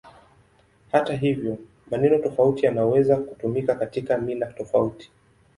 Hata hivyo, maneno tofauti yanaweza kutumika katika mila tofauti.